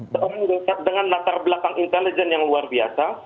seorang dekat dengan latar belakang intelijen yang luar biasa